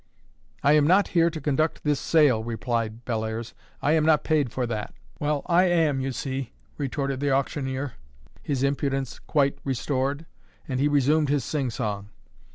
"I am not here to conduct this sale," replied Bellairs; "I am not paid for that." "Well, I am, you see," retorted the auctioneer, his impudence quite restored; and he resumed his sing song.